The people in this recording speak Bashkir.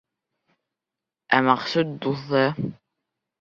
Ә Мәҡсүт дуҫы: